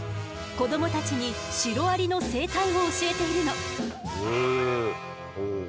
子どもたちにシロアリの生態を教えているの。